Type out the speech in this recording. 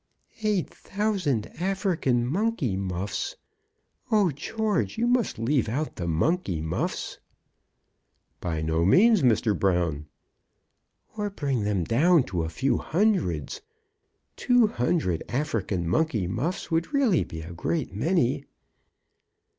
"Eight thousand African monkey muffs! Oh, George, you must leave out the monkey muffs." "By no means, Mr. Brown." "Or bring them down to a few hundreds. Two hundred African monkey muffs would really be a great many."